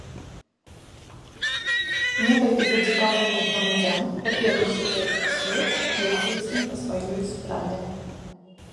Некалькі зацікаўленых грамадзян паперліся за ім услед, як быццам па сваёй справе.